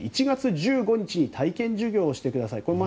１月１５日に体験授業をしてくださいと。